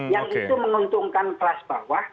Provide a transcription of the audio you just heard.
yang itu menguntungkan kelas bawah